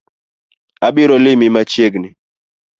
Abiro limi machiegni